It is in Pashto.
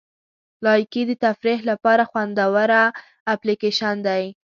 لایکي د تفریح لپاره خوندوره اپلیکیشن دی.